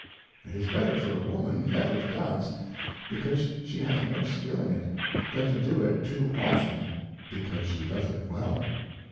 It is better for a Woman never to Dance, because she hath no skill in it, than to do it too often, because she doth it well.